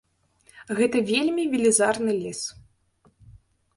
Гэта вельмі велізарны лес.